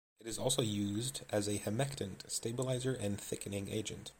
It is also used as a humectant, stabiliser, and thickening agent.